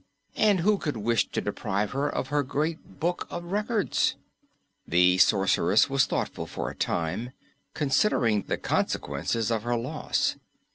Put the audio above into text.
And who could wish to deprive her of her Great Book of Records? The Sorceress was thoughtful for a time, considering the consequences of her loss.